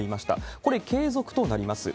これ、継続となります。